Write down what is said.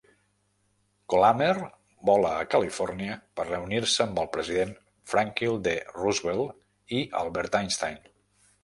Kolhammer vola a Califòrnia per reunir-se amb el president Franklin D. Roosevelt i Albert Einstein.